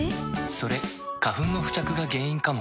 それ花粉の付着が原因かも。